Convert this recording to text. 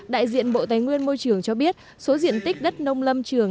đại diện bộ tài nguyên môi trường cho biết số diện tích đất nông lâm trường